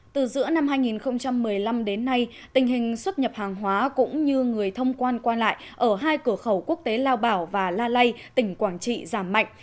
từ giữa năm hai nghìn một mươi năm đến nay tình hình xuất nhập hàng hóa cũng như người thông quan qua lại ở hai cửa khẩu quốc tế lao bảo và la lây tỉnh quảng trị giảm mạnh